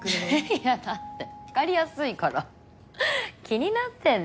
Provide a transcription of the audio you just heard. いやだって分かりやすいから気になってんでしょ？